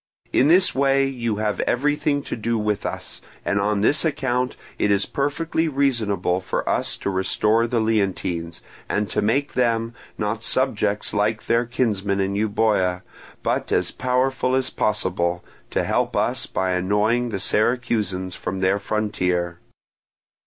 In this way you have everything to do with us, and on this account it is perfectly reasonable for us to restore the Leontines, and to make them, not subjects like their kinsmen in Euboea, but as powerful as possible, to help us by annoying the Syracusans from their frontier.